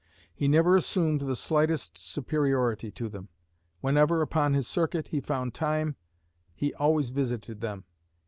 He never assumed the slightest superiority to them. Whenever, upon his circuit, he found time, he always visited them.